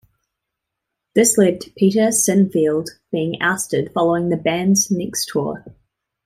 This led to Peter Sinfield being ousted following the band's next tour.